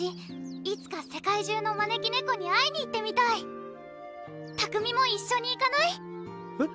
いつか世界中の招き猫に会いに行ってみたい拓海も一緒に行かない？えっ？